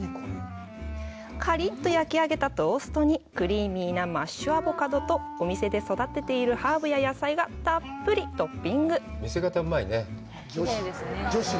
カリッと焼き上げたトーストにクリーミーなマッシュアボカドとお店で育てているハーブや野菜がたっぷりトッピング。